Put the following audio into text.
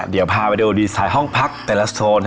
เดี๋ยวพาไปดูดีไซน์ห้องพักแต่ละโซน